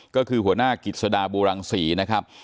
ก็คือหัวหน้ากิจสดาบูรังศรีนะครับ